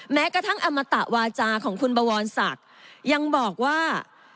แม้กระทั่งอมตะวาจาของคุณบวรศักดิ์ยังบอกว่า